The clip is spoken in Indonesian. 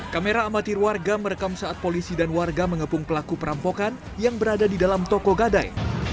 kamera amatir warga merekam saat polisi dan warga mengepung pelaku perampokan yang berada di dalam toko gadai